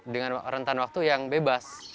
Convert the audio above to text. dengan rentan waktu yang bebas